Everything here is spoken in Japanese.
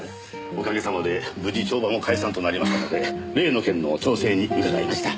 おかげさまで無事帳場も解散となりましたので例の件の調整に伺いました。